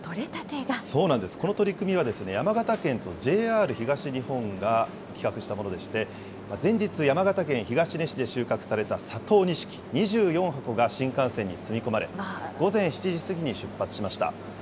そうなんです、この取り組みは山形県とＪＲ東日本が企画したものでして、前日、山形県東根市で収穫された佐藤錦２４箱が新幹線に積み込まれ、午前７時過ぎに出発しました。